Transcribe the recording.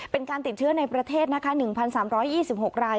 เป็นการติดเชื้อในประเทศนะคะ๑๓๒๖ราย